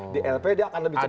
di lp dia akan lebih cer